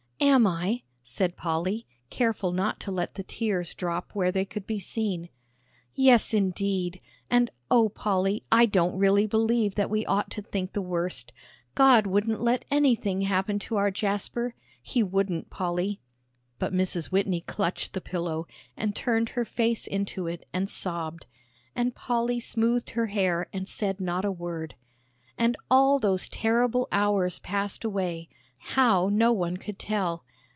"Am I?" said Polly, careful not to let the tears drop where they could be seen. "Yes, indeed! And oh, Polly, I don't really believe that we ought to think the worst. God wouldn't let anything happen to our Jasper. He wouldn't, Polly." But Mrs. Whitney clutched the pillow, and turned her face into it and sobbed. And Polly smoothed her hair, and said not a word. And all those terrible hours passed away how, no one could tell.